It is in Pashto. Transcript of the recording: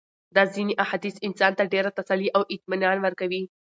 دا ځېني احاديث انسان ته ډېره تسلي او اطمنان ورکوي